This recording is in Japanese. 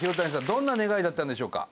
どんな願いだったんでしょうか？